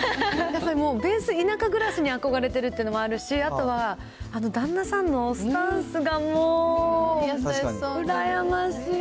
もうベース、田舎暮らしに憧れてるというのもあるし、あとは旦那さんのスタンスがもう羨ましい。